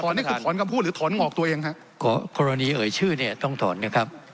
นี่คือถอนคำพูดหรือถอนงอกตัวเองครับขอกรณีเอ่ยชื่อเนี่ยต้องถอนนะครับ